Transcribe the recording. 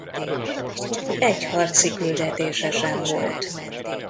Egy harci küldetése sem volt.